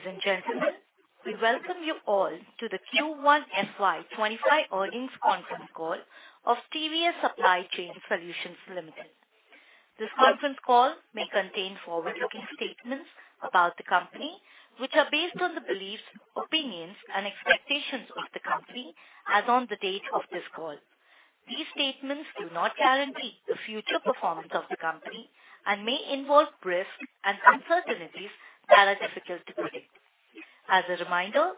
Ladies and gentlemen, we welcome you all to the Q1FY25 Audience Conference Call of TVS Supply Chain Solutions Limited. This conference call may contain forward-looking statements about the company, which are based on the beliefs, opinions, and expectations of the company as of the date of this call. These statements do not guarantee the future performance of the company and may involve risks and uncertainties that are difficult to predict. As a reminder,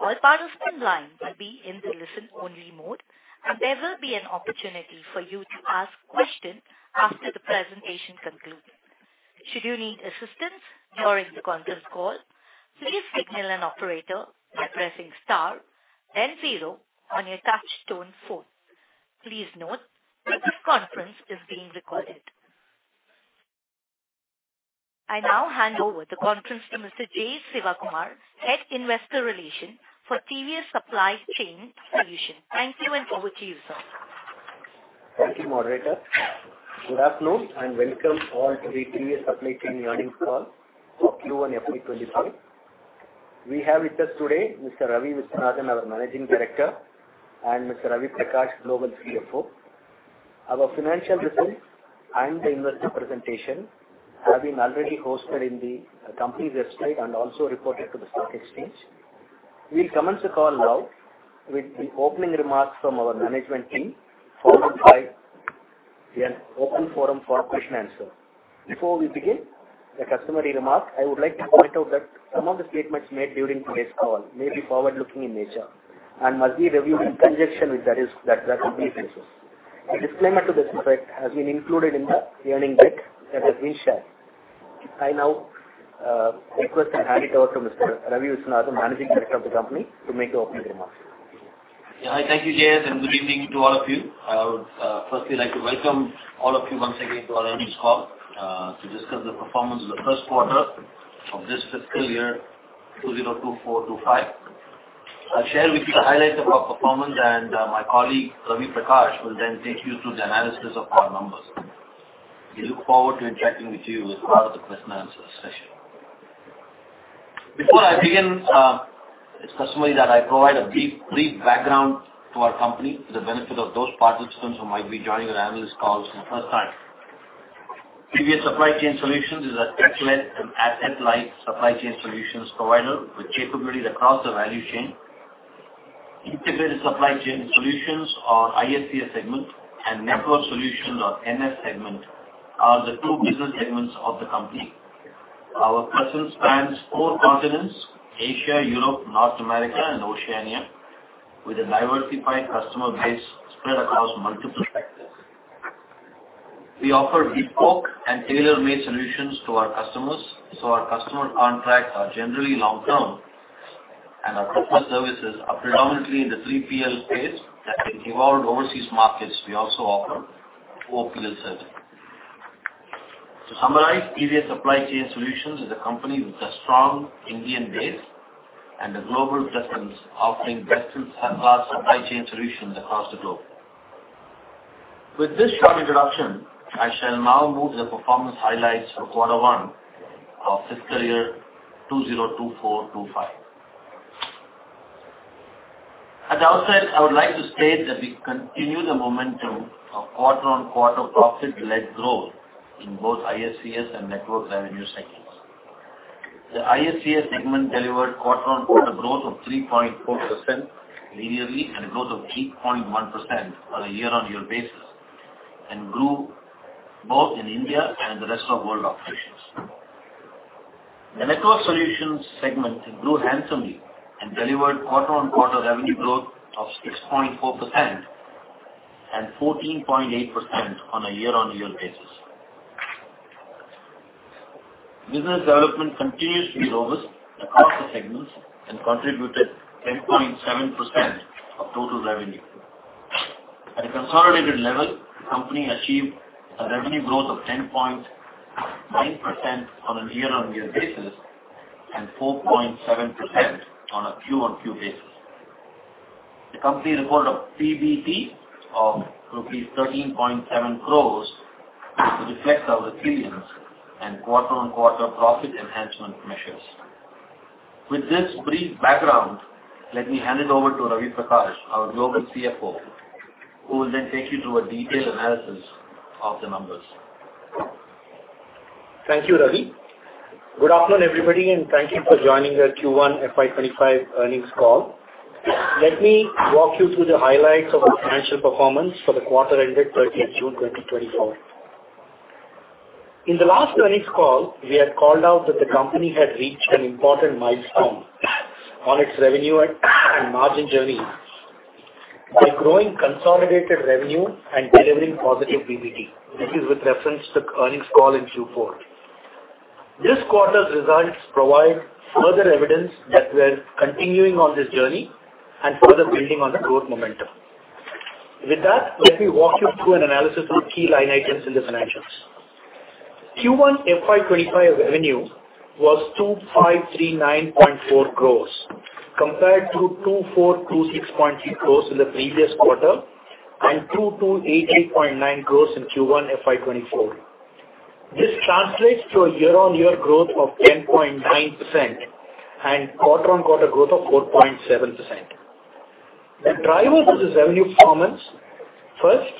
all participant lines will be in the listen-only mode, and there will be an opportunity for you to ask questions after the presentation concludes. Should you need assistance during the conference call, please signal an operator by pressing star then zero on your touch-tone phone. Please note that this conference is being recorded. I now hand over the conference to Mr. Jaisankar K, Head Investor Relations for TVS Supply Chain Solutions. Thank you, and over to you, sir. Thank you, Operator. Good afternoon and welcome all to the TVS Supply Chain Earnings Call of Q1FY25. We have with us today Mr. Ravi Viswanathan, our Managing Director, and Mr. Ravi Prakash, Global CFO. Our financial results and the investor presentation have been already hosted in the company website and also reported to the stock exchange. We'll commence the call now with the opening remarks from our management team, followed by the open forum for question and answer. Before we begin the customary remark, I would like to point out that some of the statements made during today's call may be forward-looking in nature and must be reviewed in conjunction with the risks that that will be associated. A disclaimer to this effect has been included in the earning kit that has been shared. I now request and hand it over to Mr. Ravi Viswanathan, Managing Director of the company, to make the opening remarks. Yeah, hi, thank you, Jaisankar, and good evening to all of you. I would firstly like to welcome all of you once again to our earnings call to discuss the performance of the first quarter of this fiscal year, 2024-2025. I'll share with you the highlights of our performance, and my colleague, Ravi Prakash, will then take you through the analysis of our numbers. We look forward to interacting with you as part of the question and answer session. Before I begin, it's customary that I provide a brief background to our company to the benefit of those participants who might be joining our analyst calls for the first time. TVS Supply Chain Solutions is a tech-led and asset-light supply chain solutions provider with capabilities across the value chain. Integrated Supply Chain Solutions or ISCS segment and Network Solutions or NS segment are the two business segments of the company. Our presence spans four continents: Asia, Europe, North America, and Oceania, with a diversified customer base spread across multiple sectors. We offer bespoke and tailor-made solutions to our customers, so our customer contracts are generally long-term, and our customer services are predominantly in the 3PL space that can evolve overseas markets. We also offer 4PL services. To summarize, TVS Supply Chain Solutions is a company with a strong Indian base and a global presence, offering best-in-class supply chain solutions across the globe. With this short introduction, I shall now move to the performance highlights for quarter one of fiscal year 2024-2025. At the outset, I would like to state that we continue the momentum of quarter-on-quarter profit-led growth in both ISCS and network revenue segments. The ISCS segment delivered quarter-on-quarter growth of 3.4% linearly and a growth of 8.1% on a year-on-year basis, and grew both in India and the rest of the world operations. The network solutions segment grew handsomely and delivered quarter-on-quarter revenue growth of 6.4% and 14.8% on a year-on-year basis. Business development continues to be robust across the segments and contributed 10.7% of total revenue. At a consolidated level, the company achieved a revenue growth of 10.9% on a year-on-year basis and 4.7% on a Q-on-Q basis. The company recorded a PBT of rupees 13.7 crores, which reflects our resilience and quarter-on-quarter profit enhancement measures. With this brief background, let me hand it over to Ravi Prakash, our Global CFO, who will then take you through a detailed analysis of the numbers. Thank you, Ravi. Good afternoon, everybody, and thank you for joining the Q1FY 2025 earnings call. Let me walk you through the highlights of our financial performance for the quarter ended 30th June 2024. In the last earnings call, we had called out that the company had reached an important milestone on its revenue and margin journey by growing consolidated revenue and delivering positive PBT. This is with reference to the earnings call in Q4. This quarter's results provide further evidence that we're continuing on this journey and further building on the growth momentum. With that, let me walk you through an analysis of the key line items in the financials. Q1FY 2025 revenue was 2,539.4 crores, compared to 2,426.3 crores in the previous quarter and 2,288.9 crores in Q1FY 2024. This translates to a year-on-year growth of 10.9% and quarter-on-quarter growth of 4.7%. The drivers of this revenue performance: first,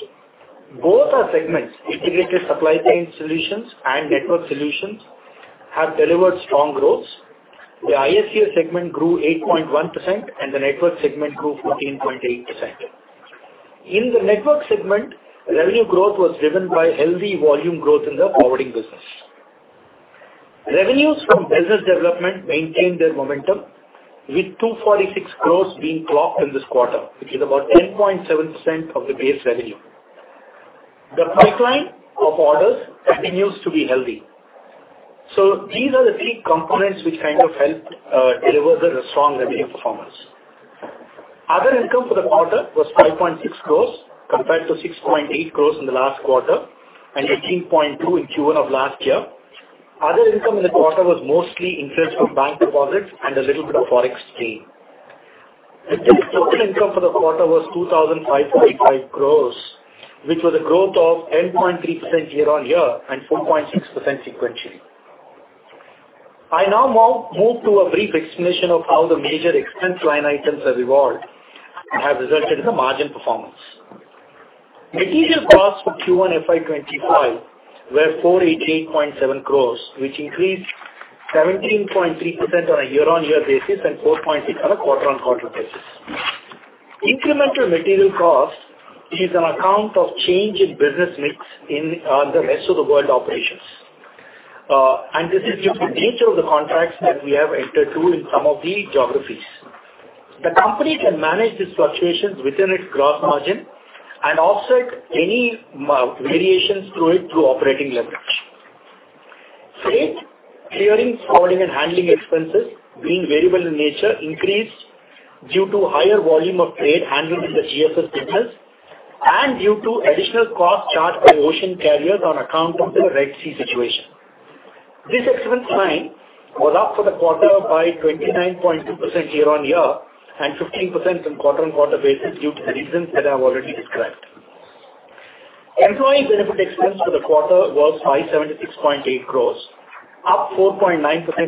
both our segments, Integrated Supply Chain Solutions and Network Solutions, have delivered strong growth. The ISCS segment grew 8.1%, and the network segment grew 14.8%. In the network segment, revenue growth was driven by healthy volume growth in the forwarding business. Revenues from business development maintained their momentum, with 246 crores being clocked in this quarter, which is about 10.7% of the base revenue. The pipeline of orders continues to be healthy. So these are the three components which kind of helped deliver the strong revenue performance. Other income for the quarter was 5.6 crores compared to 6.8 crores in the last quarter and 18.2 in Q1 of last year. Other income in the quarter was mostly interest from bank deposits and a little bit of forex gain. The total income for the quarter was 2,545 crores, which was a growth of 10.3% year-on-year and 4.6% sequentially. I now move to a brief explanation of how the major expense line items have evolved and have resulted in the margin performance. Material costs for Q1FY 2025 were 488.7 crores, which increased 17.3% on a year-on-year basis and 4.6% on a quarter-on-quarter basis. Incremental material cost is on account of change in business mix in the rest of the world operations, and this is due to the nature of the contracts that we have entered into in some of the geographies. The company can manage these fluctuations within its gross margin and offset any variations through it through operating leverage. Freight, clearing, forwarding, and handling expenses, being variable in nature, increased due to higher volume of freight handled in the GFS business and due to additional costs charged by ocean carriers on account of the Red Sea situation. This expense line was up for the quarter by 29.2% year-on-year and 15% on quarter-on-quarter basis due to the reasons that I have already described. Employee benefit expense for the quarter was 576.8 crores, up 4.9%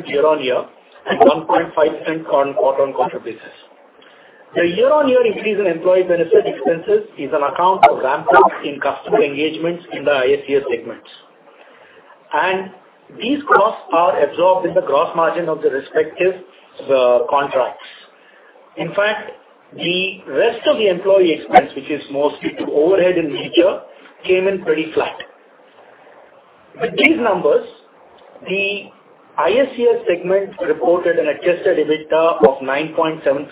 year-on-year and 1.5% on quarter-on-quarter basis. The year-on-year increase in employee benefit expenses is on account of ramp-up in customer engagements in the ISCS segments, and these costs are absorbed in the gross margin of the respective contracts. In fact, the rest of the employee expense, which is mostly overhead in nature, came in pretty flat. With these numbers, the ISCS segment reported an adjusted EBITDA of 9.7%,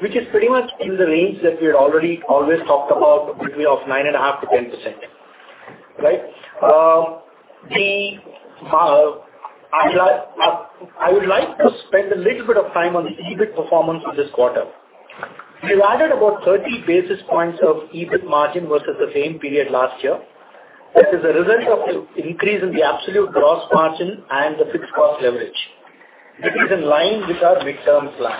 which is pretty much in the range that we had already always talked about, between 9.5%-10%. Right? I would like to spend a little bit of time on the EBIT performance of this quarter. We've added about 30 basis points of EBIT margin versus the same period last year. This is a result of the increase in the absolute gross margin and the fixed cost leverage. It is in line with our midterm plan.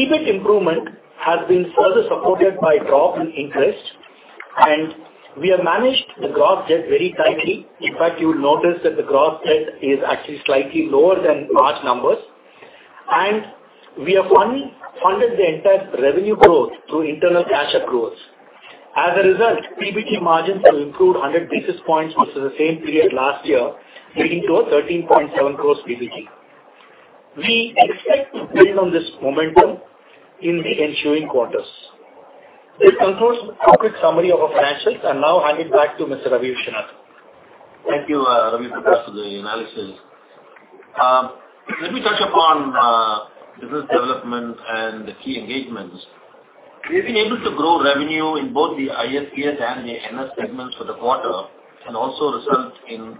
EBIT improvement has been further supported by a drop in interest, and we have managed the gross debt very tightly. In fact, you'll notice that the gross debt is actually slightly lower than March numbers, and we have funded the entire revenue growth through internal cash accruals. As a result, PBT margins have improved 100 basis points versus the same period last year, leading to a 13.7 crores PBT. We expect to build on this momentum in the ensuing quarters. This concludes a quick summary of our financials. I'll now hand it back to Mr. Ravi Viswanathan. Thank you, Ravi Prakash, for the analysis. Let me touch upon business development and the key engagements. We've been able to grow revenue in both the ISCS and the NS segments for the quarter and also result in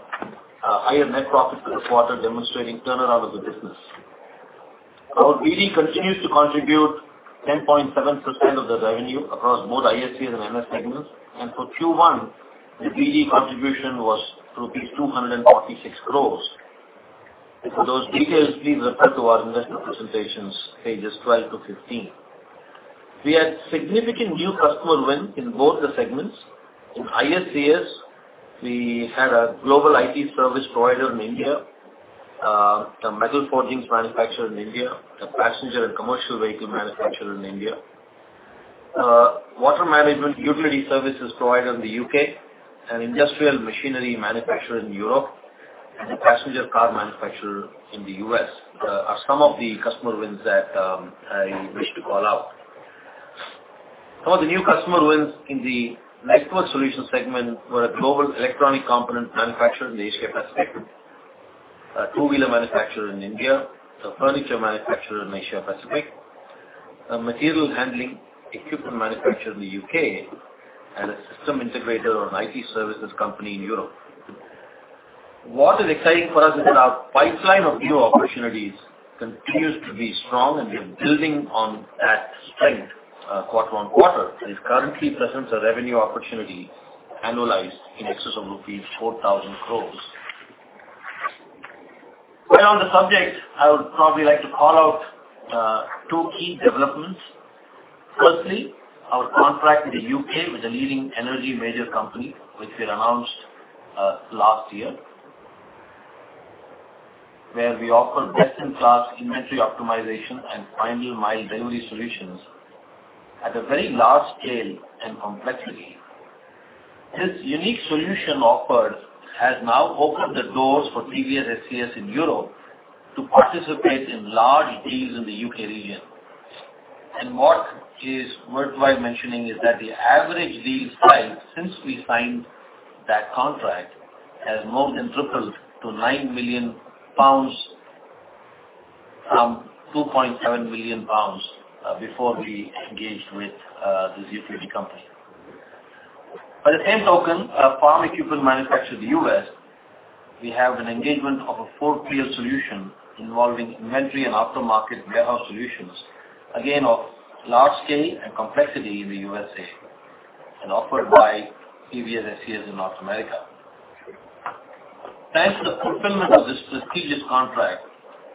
higher net profit for the quarter, demonstrating turnaround of the business. Our BD continues to contribute 10.7% of the revenue across both ISCS and NS segments, and for Q1, the BD contribution wasINR246 crores. For those details, please refer to our investor presentations, pages 12 to 15. We had significant new customer wins in both the segments. In ISCS, we had a global IT service provider in India, a metal forging manufacturer in India, a passenger and commercial vehicle manufacturer in India, a water management utility services provider in the U.K., an industrial machinery manufacturer in Europe, and a passenger car manufacturer in the U.S. These are some of the customer wins that I wish to call out. Some of the new customer wins in the Network Solutions segment were a global electronic component manufacturer in the Asia-Pacific, a two-wheeler manufacturer in India, a furniture manufacturer in Asia-Pacific, a material handling equipment manufacturer in the U.K., and a system integrator or an IT services company in Europe. What is exciting for us is that our pipeline of new opportunities continues to be strong, and we are building on that strength quarter-on-quarter. There is currently present a revenue opportunity annualized in excess of rupees 4,000 crores. On the subject, I would probably like to call out two key developments. Firstly, our contract in the U.K. with a leading energy major company, which we announced last year, where we offer best-in-class inventory optimization and final-mile delivery solutions at a very large scale and complexity. This unique solution offered has now opened the doors for previous SCS in Europe to participate in large deals in the U.K. region. What is worth mentioning is that the average deal size since we signed that contract has more than tripled to 9 million pounds from 2.7 million pounds before we engaged with this utility company. By the same token, a farm equipment manufacturer in the U.S., we have an engagement of a 4PL solution involving inventory and after-market warehouse solutions, again of large scale and complexity in the USA, and offered by TV SCS in North America. Thanks to the fulfillment of this prestigious contract,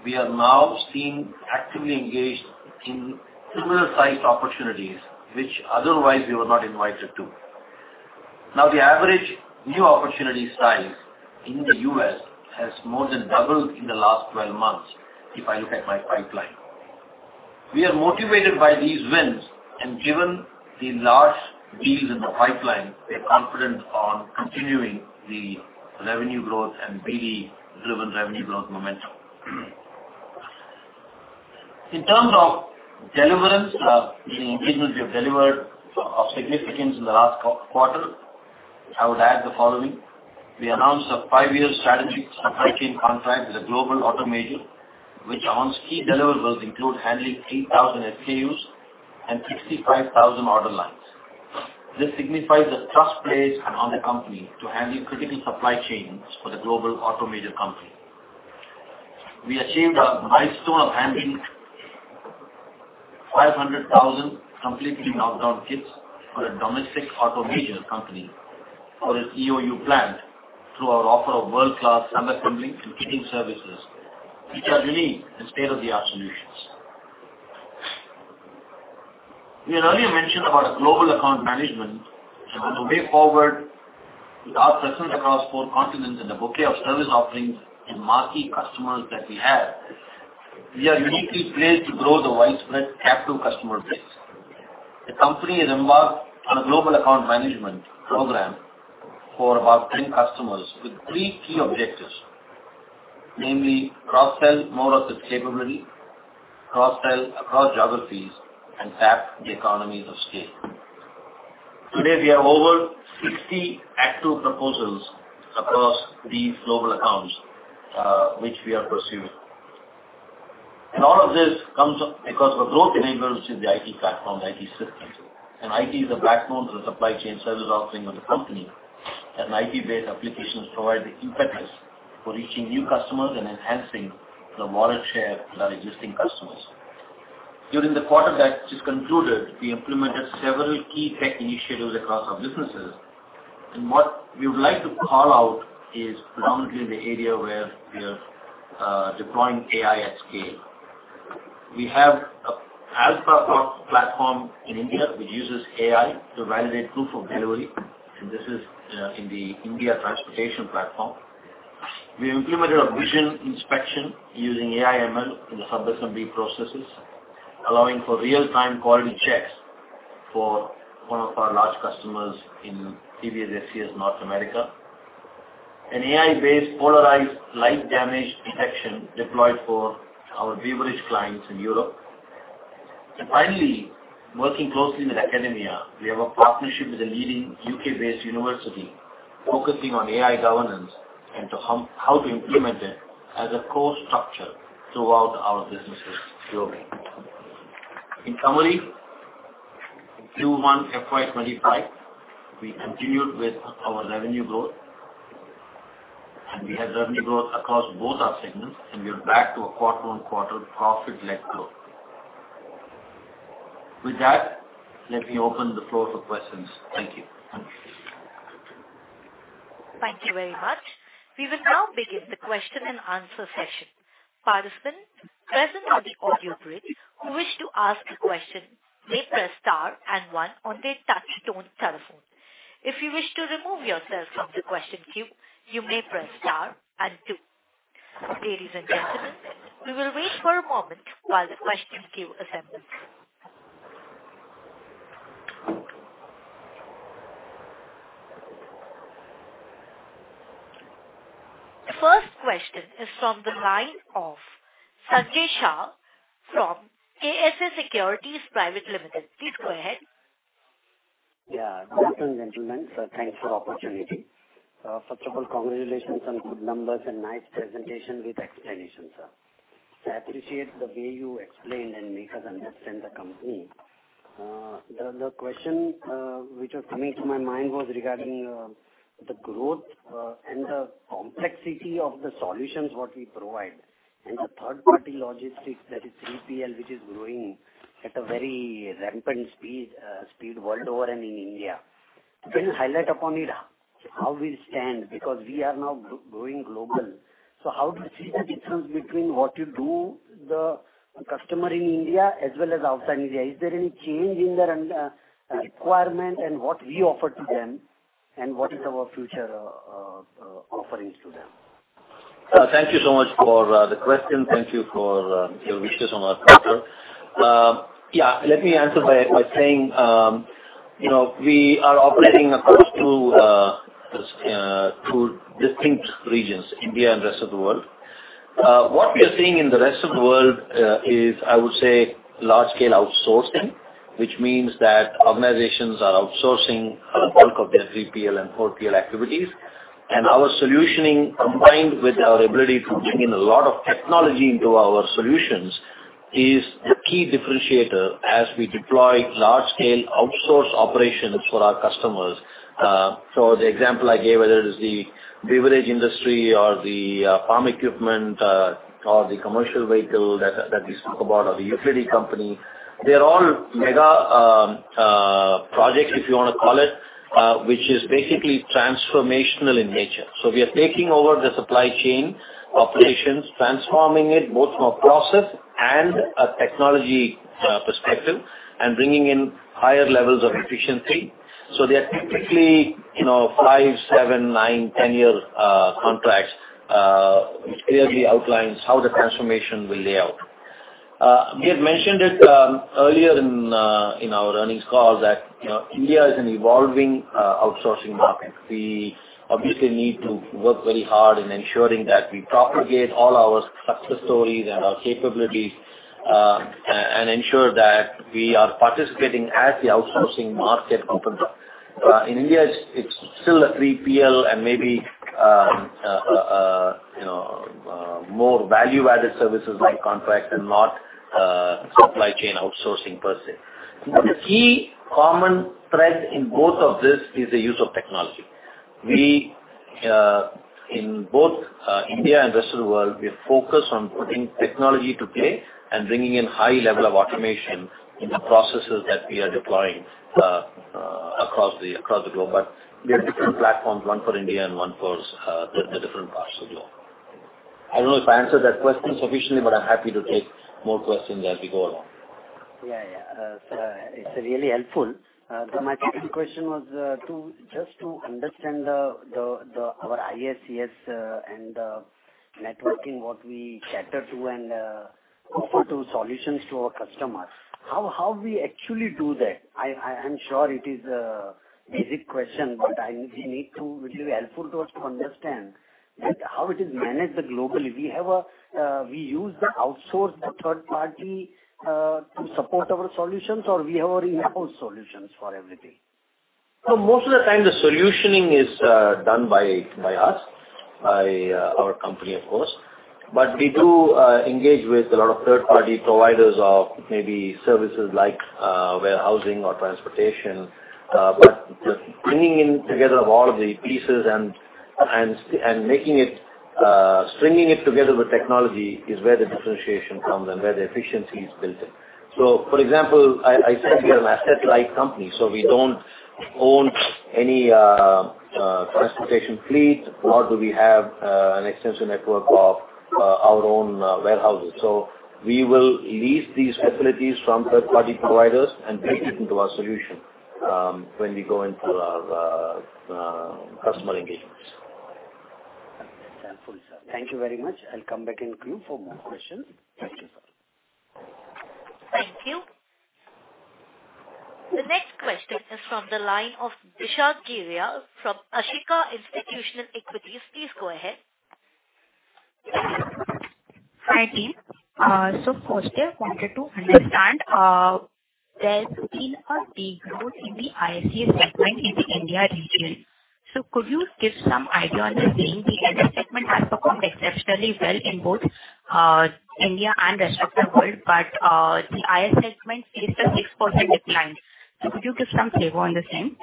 we are now seen actively engaged in similar-sized opportunities, which otherwise we were not invited to. Now, the average new opportunity size in the U.S. has more than doubled in the last 12 months, if I look at my pipeline. We are motivated by these wins, and given the large deals in the pipeline, we are confident on continuing the revenue growth and BD-driven revenue growth momentum. In terms of deliverance, the engagements we have delivered are significant in the last quarter. I would add the following: we announced a five-year strategic supply chain contract with a global auto major, which amongst key deliverables includes handling 3,000 SKUs and 65,000 order lines. This signifies the trust placed upon the company to handle critical supply chains for the global auto major company. We achieved a milestone of handling 500,000 completely knocked-down kits for a domestic auto major company for its EOU plant through our offer of world-class subassembly and fitting services, which are unique and state-of-the-art solutions. We had earlier mentioned about global account management. As we move forward, we are present across 4 continents and a bouquet of service offerings to marquee customers that we have. We are uniquely placed to grow the widespread captive customer base. The company is embarked on a global account management program for about 10 customers with 3 key objectives, namely cross-sell more of its capability, cross-sell across geographies, and tap the economies of scale. Today, we have over 60 active proposals across these global accounts, which we are pursuing. All of this comes because of a growth enabler, which is the IT platform, the IT system. IT is a backbone to the supply chain service offering of the company, and IT-based applications provide the impetus for reaching new customers and enhancing the wallet share with our existing customers. During the quarter that just concluded, we implemented several key tech initiatives across our businesses, and what we would like to call out is predominantly in the area where we are deploying AI at scale. We have an Alpha platform in India which uses AI to validate proof of delivery, and this is in the India transportation platform. We implemented a Vision Inspection using AI/ML in the subassembly processes, allowing for real-time quality checks for one of our large customers in ISCS North America. An AI-based polarized light damage detection deployed for our beverage clients in Europe. Finally, working closely with academia, we have a partnership with a leading U.K.-based university focusing on AI governance and how to implement it as a core structure throughout our businesses globally. In summary, in Q1FY25, we continued with our revenue growth, and we had revenue growth across both our segments, and we are back to a quarter-on-quarter profit-led growth. With that, let me open the floor for questions. Thank you. Thank you very much. We will now begin the question-and-answer session. Participants present on the audio bridge who wish to ask a question may press star and one on their touchtone telephone. If you wish to remove yourself from the question queue, you may press star and two. Ladies and gentlemen, we will wait for a moment while the question queue assembles. The first question is from the line of Sanjay Shah from KSA Shares & Securities. Please go ahead. Yeah. Good afternoon, gentlemen. So thanks for the opportunity. First of all, congratulations on good numbers and nice presentation with explanations, sir. I appreciate the way you explained and made us understand the company. The question which was coming to my mind was regarding the growth and the complexity of the solutions what we provide, and the third-party logistics that is 3PL, which is growing at a very rampant speed worldwide and in India. Can you highlight upon it how we stand? Because we are now growing global. So how do you see the difference between what you do, the customer in India as well as outside India? Is there any change in their requirement and what we offer to them, and what is our future offerings to them? Thank you so much for the question. Thank you for your wishes on our part. Yeah. Let me answer by saying we are operating across two distinct regions, India and the rest of the world. What we are seeing in the rest of the world is, I would say, large-scale outsourcing, which means that organizations are outsourcing a bulk of their 3PL and 4PL activities. And our solutioning, combined with our ability to bring in a lot of technology into our solutions, is the key differentiator as we deploy large-scale outsource operations for our customers. So the example I gave, whether it is the beverage industry or the farm equipment or the commercial vehicle that we spoke about or the utility company, they're all mega projects, if you want to call it, which is basically transformational in nature. We are taking over the supply chain operations, transforming it both from a process and a technology perspective and bringing in higher levels of efficiency. They are typically 5, 7, 9, 10-year contracts, which clearly outlines how the transformation will lay out. We had mentioned it earlier in our earnings call that India is an evolving outsourcing market. We obviously need to work very hard in ensuring that we propagate all our success stories and our capabilities and ensure that we are participating as the outsourcing market opens up. In India, it's still a 3PL and maybe more value-added services like contracts and not supply chain outsourcing per se. The key common thread in both of this is the use of technology. In both India and the rest of the world, we focus on putting technology to play and bringing in high level of automation in the processes that we are deploying across the globe. But we have different platforms, one for India and one for the different parts of the globe. I don't know if I answered that question sufficiently, but I'm happy to take more questions as we go along. Yeah, yeah. So it's really helpful. My second question was just to understand our ISCS and Network Solutions, what we cater to and offer solutions to our customers. How we actually do that? I'm sure it is a basic question, but it would be helpful to us to understand how it is managed globally. We use the outsourced third-party to support our solutions, or we have our in-house solutions for everything? So most of the time, the solutioning is done by us, by our company, of course. But we do engage with a lot of third-party providers of maybe services like warehousing or transportation. But the bringing together of all of the pieces and stringing it together with technology is where the differentiation comes and where the efficiency is built. So, for example, I said we are an asset-like company, so we don't own any transportation fleet, nor do we have an extensive network of our own warehouses. So we will lease these facilities from third-party providers and bring it into our solution when we go into our customer engagements. That makes sense, sir. Thank you very much. I'll come back in queue for more questions. Thank you, sir. Thank you. The next question is from the line of Vishal Periwal from Ashika Institutional Equities. Please go ahead. Hi, team. So first, I wanted to understand there has been a big growth in the ISCS segment in the India region. So could you give some idea on this thing? The India segment has performed exceptionally well in both India and the rest of the world, but the ISCS segment is a 6% decline. So could you give some flavor on this thing?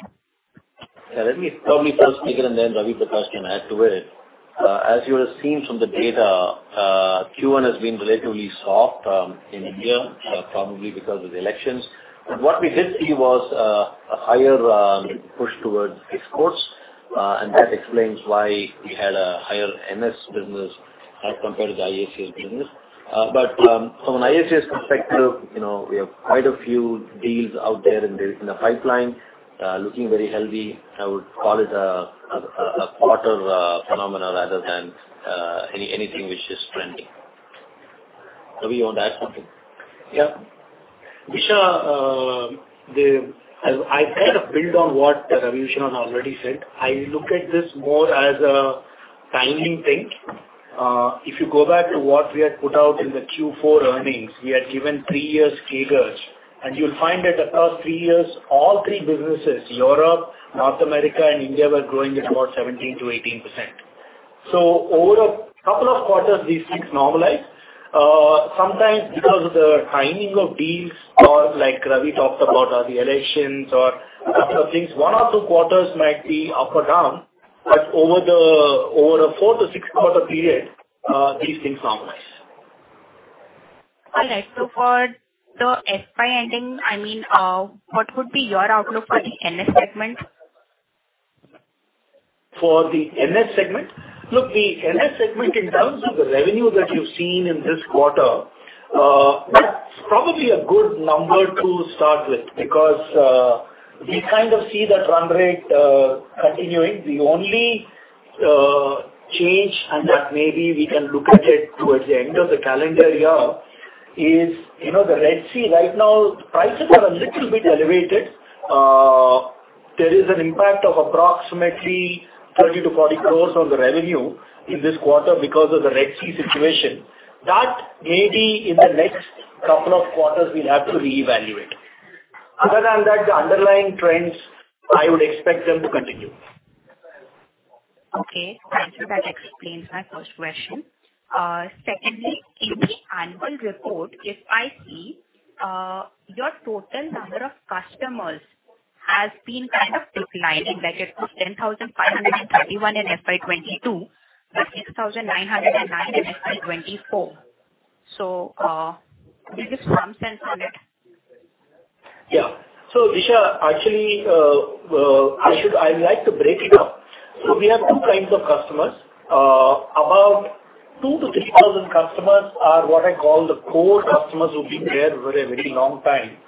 Yeah. Let me first take it, and then Ravi Prakash can add to it. As you have seen from the data, Q1 has been relatively soft in India, probably because of the elections. But what we did see was a higher push towards exports, and that explains why we had a higher MS business as compared to the ISCS business. But from an ISCS perspective, we have quite a few deals out there in the pipeline looking very healthy. I would call it a quarter phenomenon rather than anything which is trending. Ravi, you want to add something? Yeah. Vishal, I kind of build on what Ravi Viswanathan already said. I look at this more as a timing thing. If you go back to what we had put out in the Q4 earnings, we had given three-year figures, and you'll find that across three years, all three businesses, Europe, North America, and India, were growing at about 17%-18%. So over a couple of quarters, these things normalize. Sometimes, because of the timing of deals, or like Ravi talked about, or the elections, or a couple of things, one or two quarters might be up or down, but over a four to six-quarter period, these things normalize. All right. So for the SI ending, I mean, what would be your outlook for the MS segment? For the MS segment? Look, the MS segment, in terms of the revenue that you've seen in this quarter, that's probably a good number to start with because we kind of see that run rate continuing. The only change, and that maybe we can look at it towards the end of the calendar year, is the Red Sea right now, prices are a little bit elevated. There is an impact of approximately 30 crore-40 crore on the revenue in this quarter because of the Red Sea situation. That maybe in the next couple of quarters, we'll have to reevaluate. Other than that, the underlying trends, I would expect them to continue. Okay. Thank you. That explains my first question. Secondly, in the annual report, if I see your total number of customers has been kind of declining, like it was 10,531 in FY 2022, but 6,909 in FY 2024. So do you give some sense on it? Yeah. So Vishal, actually, I'd like to break it up. So we have two kinds of customers. About 2,000-3,000 customers are what I call the core customers who've been there for a very long time.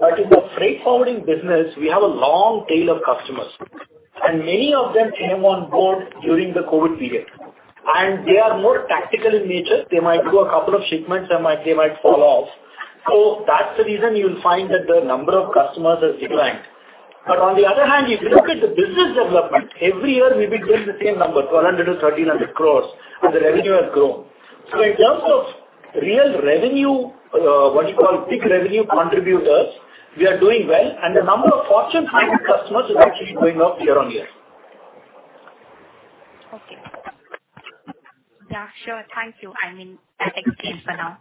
But in the freight forwarding business, we have a long tail of customers, and many of them came on board during the COVID period. And they are more tactical in nature. They might do a couple of shipments, and they might fall off. So that's the reason you'll find that the number of customers has declined. But on the other hand, if you look at the business development, every year, we've been doing the same number, 1,200-1,300 crores, and the revenue has grown. In terms of real revenue, what we call big revenue contributors, we are doing well, and the number of Fortune 500 customers is actually going up year-on-year. Okay. Yeah. Sure. Thank you. I mean, that explains for now.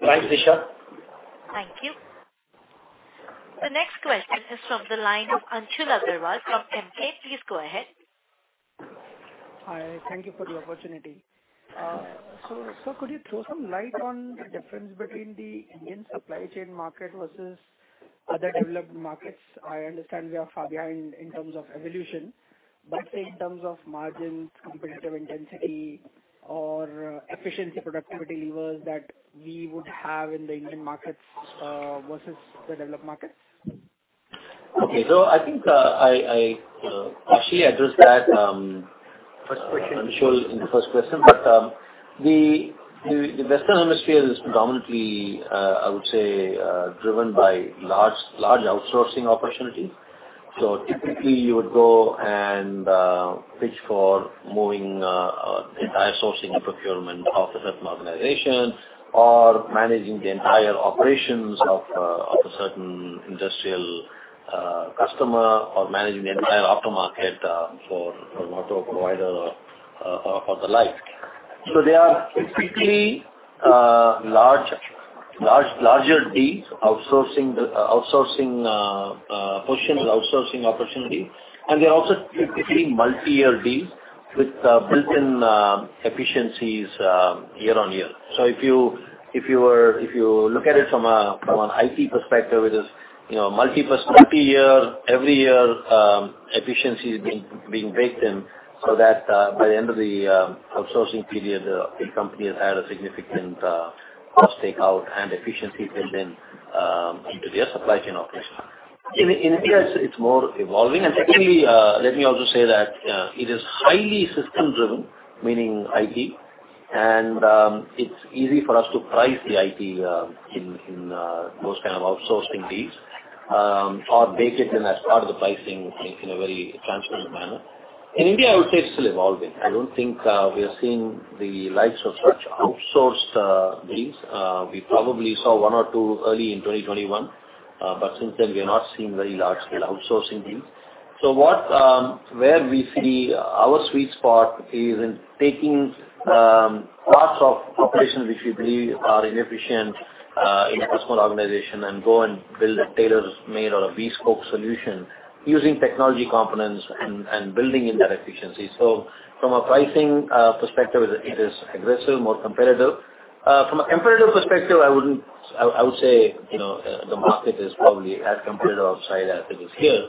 Thanks, Vishal. Thank you. The next question is from the line of Anshul Agrawal from Emkay. Please go ahead. Hi. Thank you for the opportunity. So could you throw some light on the difference between the Indian supply chain market versus other developed markets? I understand we are far behind in terms of evolution, but in terms of margins, competitive intensity, or efficiency, productivity levers that we would have in the Indian markets versus the developed markets? Okay. So I think I actually addressed that first question, Anshul, in the first question. But the Western hemisphere is predominantly, I would say, driven by large outsourcing opportunities. So typically, you would go and pitch for moving the entire sourcing and procurement of a certain organization or managing the entire operations of a certain industrial customer or managing the entire aftermarket for an auto provider or the like. So they are typically larger deals, outsourcing positions, outsourcing opportunities, and they're also typically multi-year deals with built-in efficiencies year on year. So if you look at it from an it perspective, it is multi-year, every year, efficiency is being baked in so that by the end of the outsourcing period, the company has had a significant cost takeout, and efficiency built in into their supply chain operations. In India, it's more evolving. And secondly, let me also say that it is highly system-driven, meaning IT, and it's easy for us to price the IT in those kind of outsourcing deals or bake it in as part of the pricing in a very transparent manner. In India, I would say it's still evolving. I don't think we are seeing the likes of such outsourced deals. We probably saw 1 or 2 early in 2021, but since then, we have not seen very large-scale outsourcing deals. So where we see our sweet spot is in taking parts of operations which we believe are inefficient in a customer organization and go and build a tailor-made or a bespoke solution using technology components and building in that efficiency. So from a pricing perspective, it is aggressive, more competitive. From a competitive perspective, I would say the market is probably as competitive outside as it is here.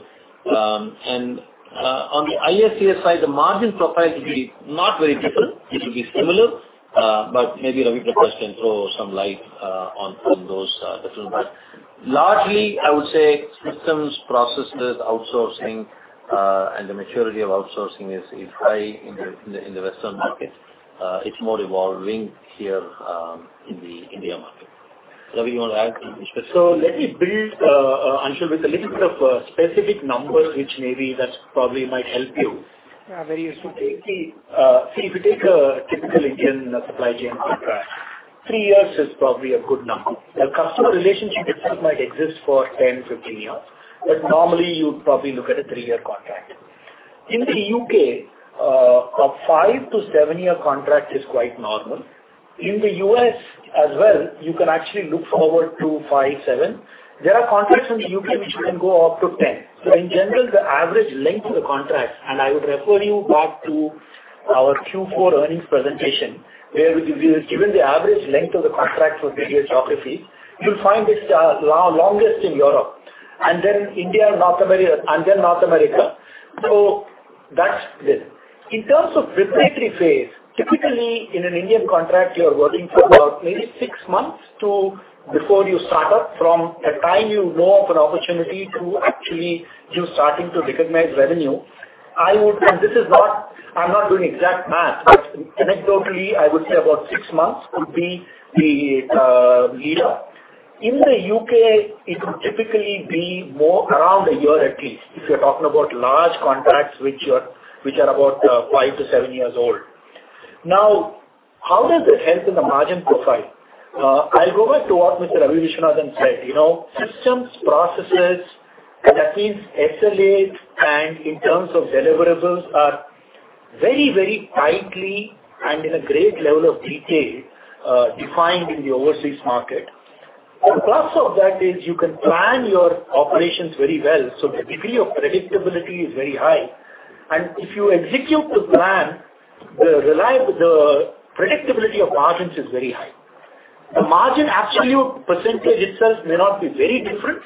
On the ISCS side, the margin profile would be not very different. It would be similar, but maybe Ravi Prakash can throw some light on those differences. But largely, I would say systems, processes, outsourcing, and the maturity of outsourcing is high in the Western market. It's more evolving here in the India market. Ravi, you want to add something? So, let me build, Anshu, with a little bit of specific numbers, which maybe that probably might help you. Yeah, very useful. See, if you take a typical Indian supply chain contract, three years is probably a good number. The customer relationship itself might exist for 10, 15 years, but normally, you'd probably look at a three-year contract. In the U.K., a five to seven-year contract is quite normal. In the U.S. as well, you can actually look forward to five, seven. There are contracts in the U.K. which can go up to 10. So in general, the average length of the contract, and I would refer you back to our Q4 earnings presentation, where we give you the average length of the contract for various geographies, you'll find it's the longest in Europe, and then North America. So that's this. In terms of recruitment phase, typically, in an Indian contract, you're working for about maybe six months before you start up from the time you know of an opportunity to actually starting to recognize revenue. And this is not; I'm not doing exact math, but anecdotally, I would say about six months would be the leader. In the U.K., it would typically be around a year at least if you're talking about large contracts which are about five to seven years old. Now, how does it help in the margin profile? I'll go back to what Mr. Ravi Viswanathan said. Systems, processes, and that means SLAs and in terms of deliverables are very, very tightly and in a great level of detail defined in the overseas market. The plus of that is you can plan your operations very well. So the degree of predictability is very high. And if you execute the plan, the predictability of margins is very high. The margin absolute % itself may not be very different,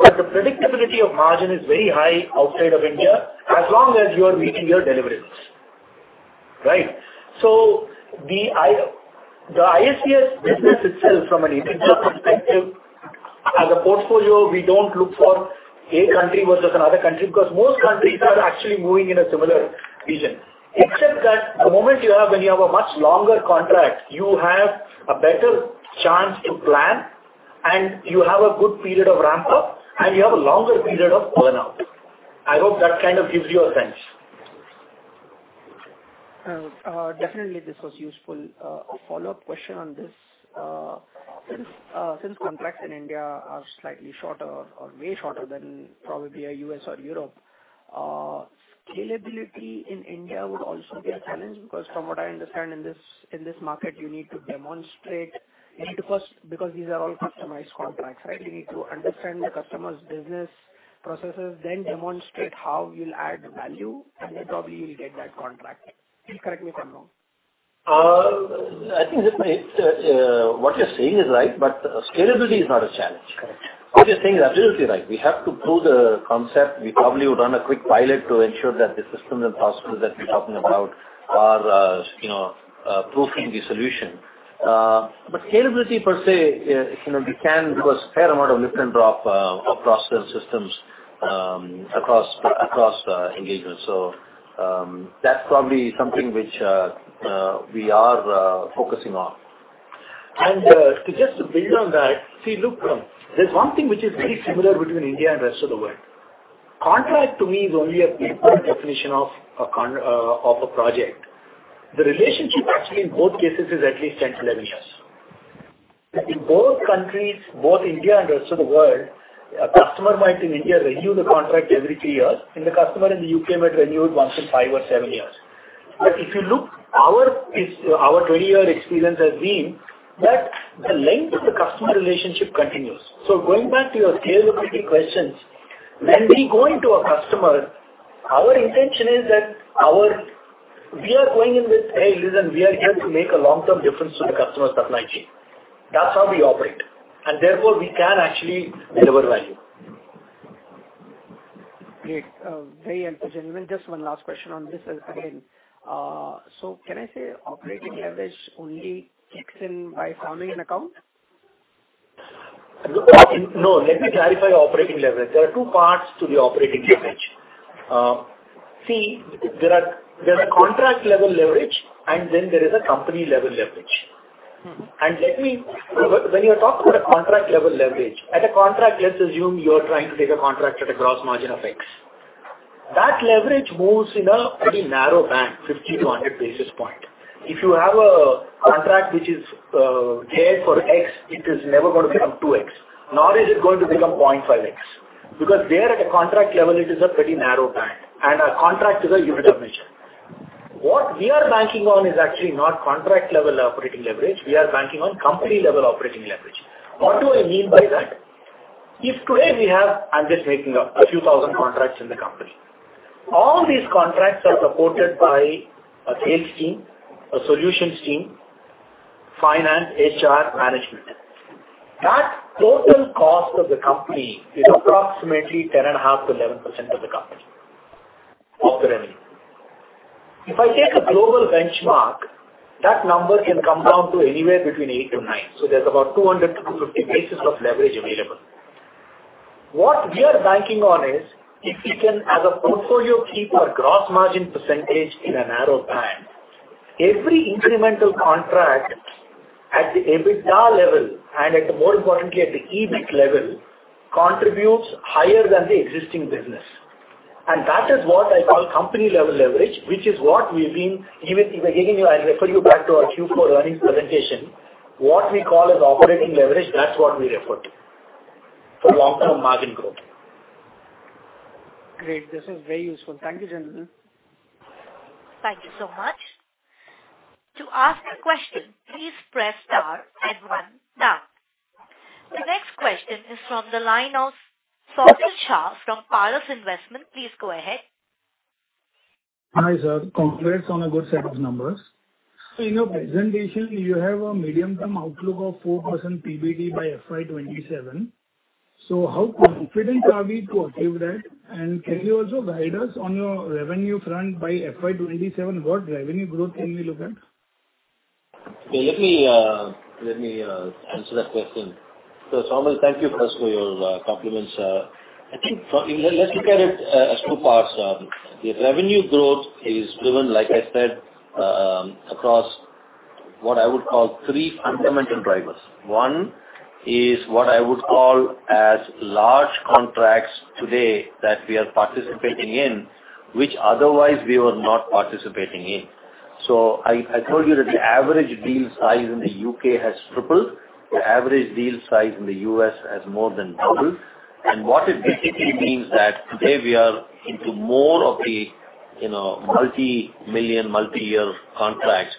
but the predictability of margin is very high outside of India as long as you are meeting your deliverables. Right? So the ISCS business itself, from an Indian perspective, as a portfolio, we don't look for a country versus another country because most countries are actually moving in a similar region. Except that the moment you have a much longer contract, you have a better chance to plan, and you have a good period of ramp-up, and you have a longer period of burnout. I hope that kind of gives you a sense. Definitely, this was useful. A follow-up question on this. Since contracts in India are slightly shorter or way shorter than probably a U.S. or Europe, scalability in India would also be a challenge because from what I understand, in this market, you need to demonstrate because these are all customized contracts, right? You need to understand the customer's business processes, then demonstrate how you'll add value, and then probably you'll get that contract. Please correct me if I'm wrong. I think what you're saying is right, but scalability is not a challenge. Correct. What you're saying is absolutely right. We have to prove the concept. We probably would run a quick pilot to ensure that the systems and processes that we're talking about are proving the solution. But scalability per se, we can do a fair amount of lift and drop of processes and systems across engagements. So that's probably something which we are focusing on. Just to build on that, see, look, there's one thing which is very similar between India and the rest of the world. Contract, to me, is only a definition of a project. The relationship, actually, in both cases, is at least 10-11 years. In both countries, both India and the rest of the world, a customer might, in India, renew the contract every 3 years, and the customer in the U.K. might renew it once in 5 or 7 years. But if you look, our 20-year experience has been that the length of the customer relationship continues. So going back to your scalability questions, when we go into a customer, our intention is that we are going in with, "Hey, listen, we are here to make a long-term difference to the customer's supply chain." That's how we operate. And therefore, we can actually deliver value. Great. Very entertaining. Just one last question on this again. So can I say operating leverage only kicks in by farming an account? No. Let me clarify operating leverage. There are two parts to the operating leverage. See, there's a contract-level leverage, and then there is a company-level leverage. And when you're talking about a contract-level leverage, at a contract, let's assume you're trying to take a contract at a gross margin of X. That leverage moves in a pretty narrow band, 50-100 basis points. If you have a contract which is there for X, it is never going to become 2X, nor is it going to become 0.5X because there, at a contract level, it is a pretty narrow band, and a contract is a unit of measure. What we are banking on is actually not contract-level operating leverage. We are banking on company-level operating leverage. What do I mean by that? If today we have, I'm just making up, a few thousand contracts in the company, all these contracts are supported by a sales team, a solutions team, finance, HR, management. That total cost of the company is approximately 10.5%-11% of the company of the revenue. If I take a global benchmark, that number can come down to anywhere between 8-9. So there's about 200 to 250 basis of leverage available. What we are banking on is if we can, as a portfolio keeper, gross margin % in a narrow band, every incremental contract at the EBITDA level and, more importantly, at the EBIT level contributes higher than the existing business. And that is what I call company-level leverage, which is what we've been giving you. I'll refer you back to our Q4 earnings presentation. What we call as operating leverage, that's what we refer to for long-term margin growth. Great. This is very useful. Thank you, gentlemen. Thank you so much. To ask a question, please press star and one down. The next question is from the line of Saumil Shah from Paras Investments. Please go ahead. Hi, sir. Congrats on a good set of numbers. In your presentation, you have a medium-term outlook of 4% PBT by FY 2027. So how confident are we to achieve that? And can you also guide us on your revenue front by FY 2027? What revenue growth can we look at? Okay. Let me answer that question. So Saumil, thank you first for your compliments. I think let's look at it as two parts. The revenue growth is driven, like I said, across what I would call three fundamental drivers. One is what I would call as large contracts today that we are participating in, which otherwise we were not participating in. So I told you that the average deal size in the U.K. has tripled. The average deal size in the U.S. has more than doubled. And what it basically means is that today we are into more of the multi-million, multi-year contracts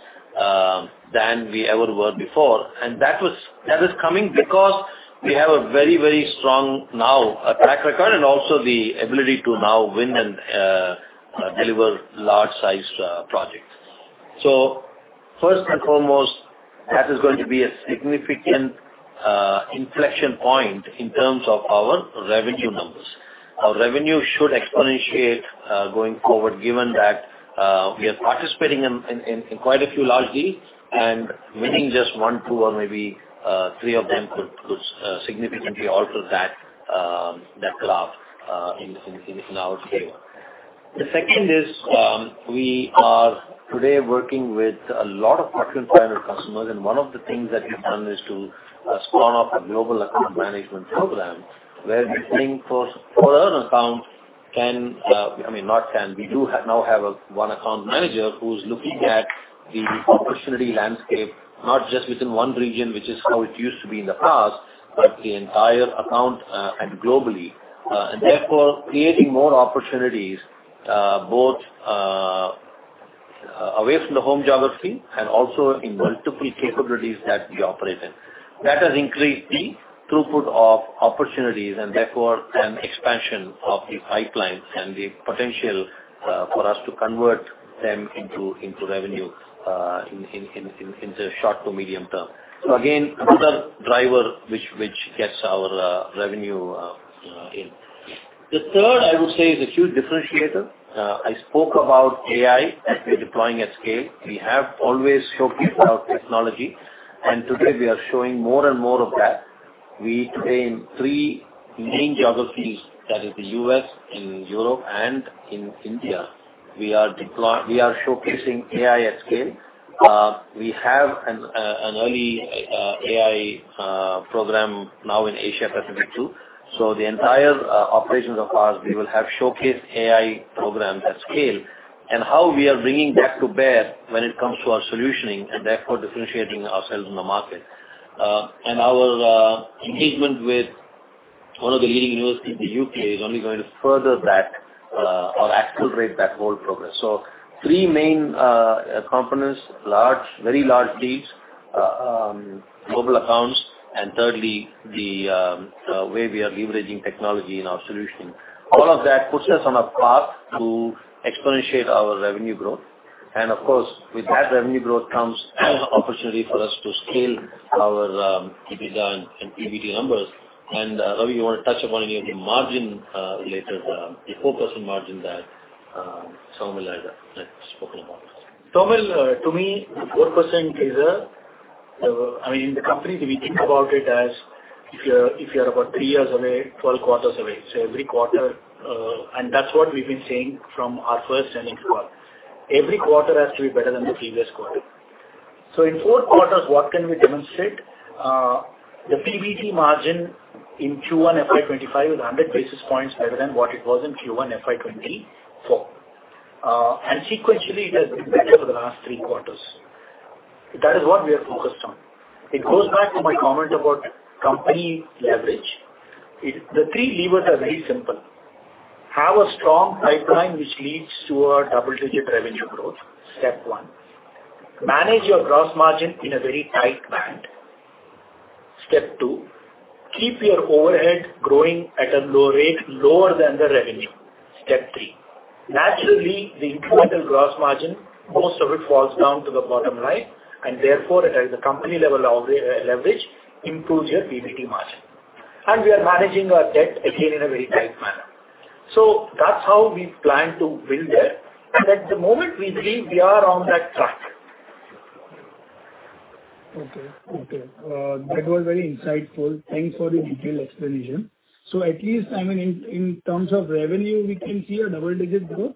than we ever were before. And that is coming because we have a very, very strong now track record and also the ability to now win and deliver large-sized projects. So first and foremost, that is going to be a significant inflection point in terms of our revenue numbers. Our revenue should exponentiate going forward, given that we are participating in quite a few large deals and winning just one, two, or maybe three of them could significantly alter that graph in our favor. The second is we are today working with a lot of Fortune 500 customers, and one of the things that we've done is to spawn off a global account management program where we're paying for an account can, I mean, not can. We do now have one account manager who's looking at the opportunity landscape, not just within one region, which is how it used to be in the past, but the entire account and globally. And therefore, creating more opportunities both away from the home geography and also in multiple capabilities that we operate in. That has increased the throughput of opportunities and therefore an expansion of the pipelines and the potential for us to convert them into revenue in the short to medium term. So again, another driver which gets our revenue in. The third, I would say, is a huge differentiator. I spoke about AI that we're deploying at scale. We have always showcased our technology, and today we are showing more and more of that. Today, in three main geographies, that is the U.S., in Europe, and in India, we are showcasing AI at scale. We have an early AI program now in Asia-Pacific too. So the entire operations of ours, we will have showcased AI programs at scale and how we are bringing that to bear when it comes to our solutioning and therefore differentiating ourselves in the market. Our engagement with one of the leading universities in the U.K. is only going to further that or accelerate that whole program. So three main components: very large deals, global accounts, and thirdly, the way we are leveraging technology in our solution. All of that puts us on a path to exponentiate our revenue growth. And of course, with that revenue growth comes opportunity for us to scale our EBITDA and PBT numbers. And Ravi, you want to touch upon any of the margin-related, the 4% margin that Saumil has spoken about? Saumil, to me, 4% is a, I mean, in the company, we think about it as if you're about three years away, 12 quarters away. So every quarter, and that's what we've been saying from our first earnings call, every quarter has to be better than the previous quarter. So in four quarters, what can we demonstrate? The PBT margin in Q1 FY 2025 is 100 basis points better than what it was in Q1 FY 2024. And sequentially, it has been better for the last three quarters. That is what we are focused on. It goes back to my comment about company leverage. The three levers are very simple. Have a strong pipeline which leads to a double-digit revenue growth, step one. Manage your gross margin in a very tight band, step two. Keep your overhead growing at a lower rate lower than the revenue, step three. Naturally, the incremental gross margin, most of it falls down to the bottom line, and therefore, at the company-level leverage, improves your PBT margin. And we are managing our debt again in a very tight manner. So that's how we plan to build it. And at the moment, we believe we are on that track. Okay. Okay. That was very insightful. Thanks for the detailed explanation. So at least, I mean, in terms of revenue, we can see a double-digit growth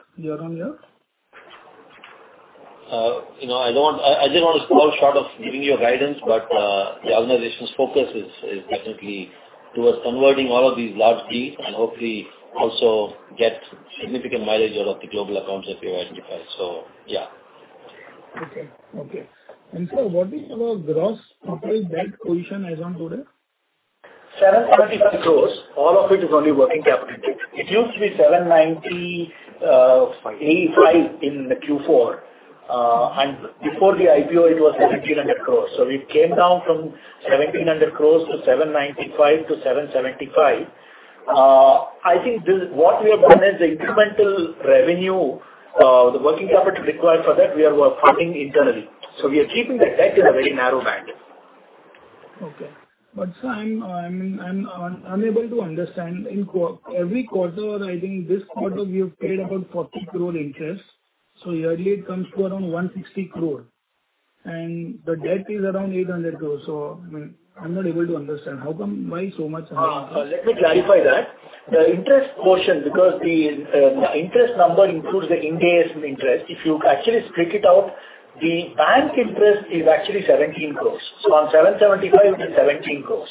year-on-year. I didn't want to fall short of giving you a guidance, but the organization's focus is definitely towards converting all of these large deals and hopefully also get significant mileage out of the global accounts that we have identified. So yeah. Okay. Okay. Sir, what is your gross net position as of today? 725 crores. All of it is only working capital. It used to be 795 crores in the Q4. And before the IPO, it was 1,700 crores. So we came down from 1,700 crores to 795 crores to 775 crores. I think what we have done is the incremental revenue, the working capital required for that, we are funding internally. So we are keeping the debt in a very narrow band. Okay. But sir, I'm unable to understand. Every quarter, I think this quarter, we have paid about 40 crore interest. So yearly, it comes to around 160 crore. And the debt is around 800 crores. So I'm not able to understand. Why so much? Let me clarify that. The interest portion, because the interest number includes the in-day interest. If you actually split it out, the bank interest is actually 17 crores. So on 775, it is 17 crores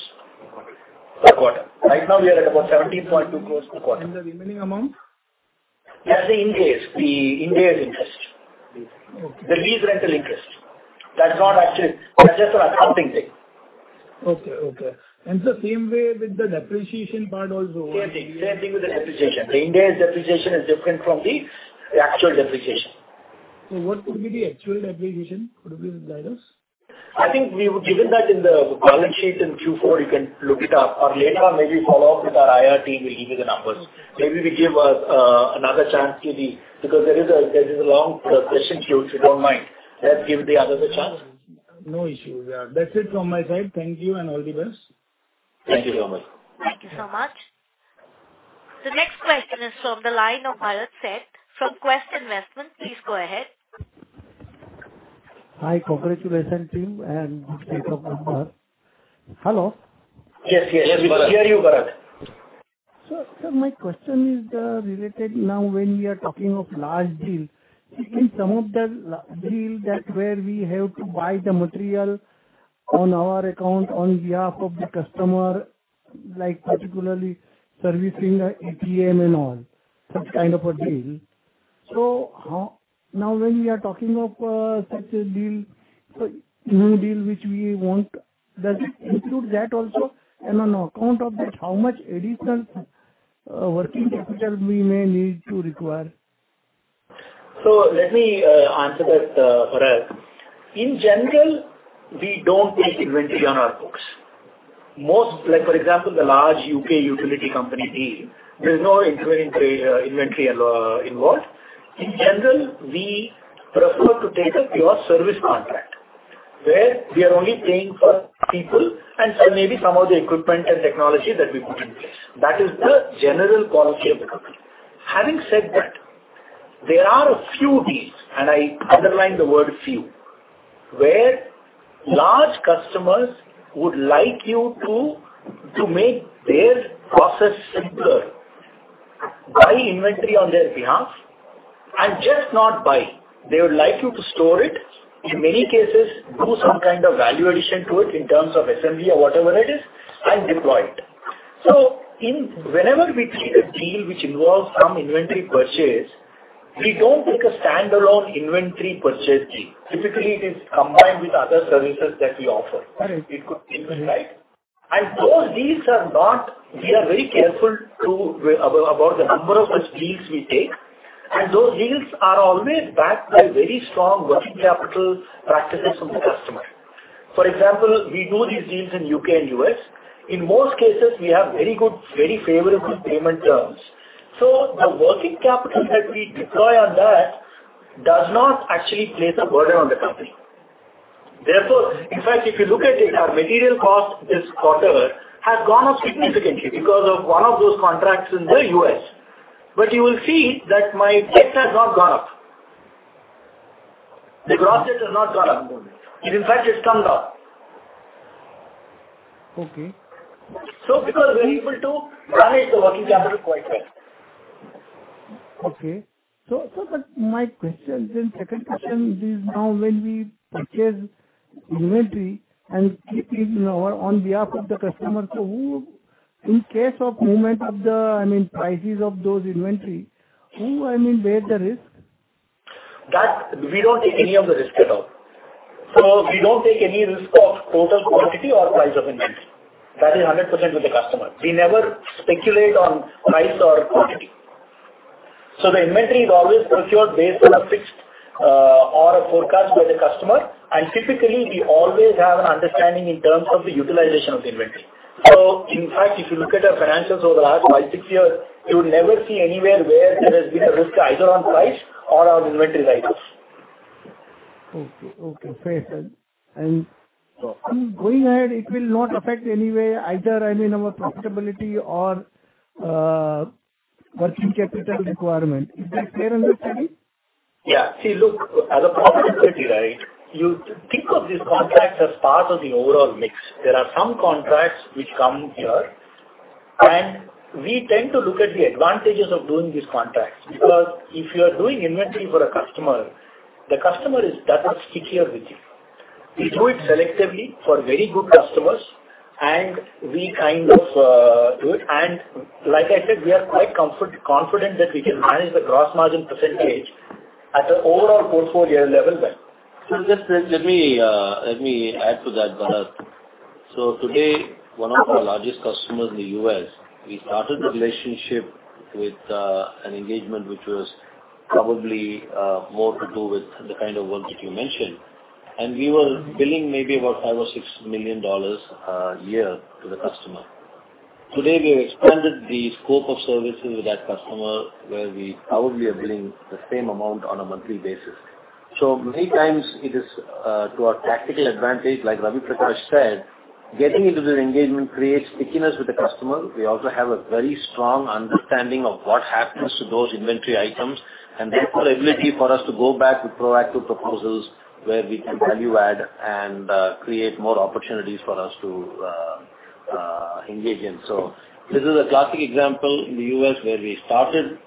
per quarter. Right now, we are at about 17.2 crores per quarter. The remaining amount? That's the Ind AS, the Ind AS interest. The lease rental interest. That's not actually that's just an accounting thing. Okay. Okay. So same way with the depreciation part also? Same thing. Same thing with the depreciation. The Ind AS depreciation is different from the actual depreciation. What would be the actual depreciation? Could you guide us? I think given that in the balance sheet in Q4, you can look it up. Or later, maybe follow up with our IRT. We'll give you the numbers. Maybe we give another chance to the because there is a long discussion here, if you don't mind. Let's give the others a chance. No issues. That's it from my side. Thank you and all the best. Thank you so much. Thank you so much. The next question is from the line of Bharat Sheth from Quest Investment. Please go ahead. Hi. Congratulations, team, and good to talk with Bar. Hello. Yes, yes. We can hear you, Bharat. So, sir, my question is related. Now, when we are talking of large deals, in some of the deals where we have to buy the material on our account on behalf of the customer, like particularly servicing the ATM and all, such kind of a deal. So now, when we are talking of such a deal, so new deal which we want, does it include that also? And on account of that, how much additional working capital we may need to require? So let me answer that, Bharat. In general, we don't take inventory on our books. For example, the large U.K. utility company deal, there is no inventory involved. In general, we prefer to take a pure service contract where we are only paying for people and maybe some of the equipment and technology that we put in place. That is the general policy of the company. Having said that, there are a few deals, and I underline the word few, where large customers would like you to make their process simpler by inventory on their behalf and just not buy. They would like you to store it, in many cases, do some kind of value addition to it in terms of assembly or whatever it is, and deploy it. So whenever we take a deal which involves some inventory purchase, we don't take a standalone inventory purchase deal. Typically, it is combined with other services that we offer. It could be right. And those deals are not we are very careful about the number of deals we take. And those deals are always backed by very strong working capital practices from the customer. For example, we do these deals in U.K. and U.S. In most cases, we have very good, very favorable payment terms. So the working capital that we deploy on that does not actually place a burden on the company. Therefore, in fact, if you look at it, our material cost this quarter has gone up significantly because of one of those contracts in the U.S. But you will see that my debt has not gone up. The gross debt has not gone up. In fact, it's turned up. Okay. Because we're able to manage the working capital quite well. Okay. So my question then, second question is now, when we purchase inventory and keep it on behalf of the customer, so in case of movement of the, I mean, prices of those inventory, who I mean, bear the risk? We don't take any of the risk at all. We don't take any risk of total quantity or price of inventory. That is 100% with the customer. We never speculate on price or quantity. The inventory is always procured based on a fixed or a forecast by the customer. Typically, we always have an understanding in terms of the utilization of the inventory. In fact, if you look at our financials over the last 5, 6 years, you would never see anywhere where there has been a risk either on price or on inventory items. Okay. Okay. Fair enough. And going ahead, it will not affect any way either, I mean, our profitability or working capital requirement. Is that fair understanding? Yeah. See, look, as a profitability guy, you think of these contracts as part of the overall mix. There are some contracts which come here, and we tend to look at the advantages of doing these contracts because if you are doing inventory for a customer, the customer is double stickier with you. We do it selectively for very good customers, and we kind of do it. And like I said, we are quite confident that we can manage the gross margin % at the overall portfolio level well. So just let me add to that, Bharat. So today, one of our largest customers in the U.S., we started the relationship with an engagement which was probably more to do with the kind of work that you mentioned. And we were billing maybe about $5-$6 million a year to the customer. Today, we have expanded the scope of services with that customer where we probably are billing the same amount on a monthly basis. So many times, it is to our tactical advantage, like Ravi Prakash said, getting into the engagement creates stickiness with the customer. We also have a very strong understanding of what happens to those inventory items and therefore ability for us to go back with proactive proposals where we can value-add and create more opportunities for us to engage in. This is a classic example in the U.S. where we started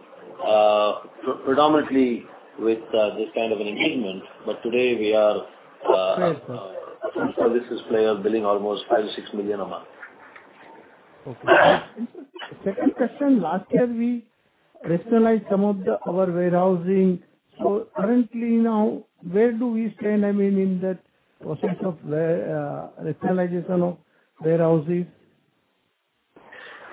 predominantly with this kind of an engagement, but today we are a services player billing almost $5 million-$6 million a month. Okay. And second question, last year, we rationalized some of our warehousing. So currently now, where do we stand, I mean, in that process of rationalization of warehouses?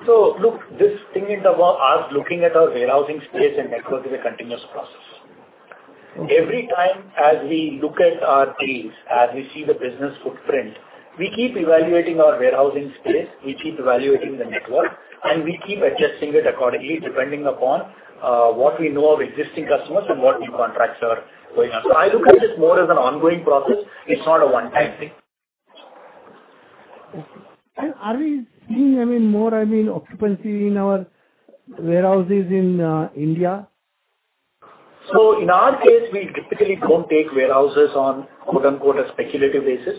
So look, this thing is about us looking at our warehousing space and network is a continuous process. Every time as we look at our deals, as we see the business footprint, we keep evaluating our warehousing space. We keep evaluating the network, and we keep adjusting it accordingly depending upon what we know of existing customers and what new contracts are going on. So I look at this more as an ongoing process. It's not a one-time thing. Are we seeing, I mean, more, I mean, occupancy in our warehouses in India? So in our case, we typically don't take warehouses on "a speculative basis."